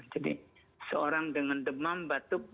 jadi seorang dengan demam batuk